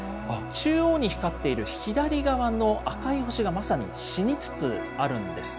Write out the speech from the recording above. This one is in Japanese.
中央に光っている左側の赤い星がまさに死につつあるんです。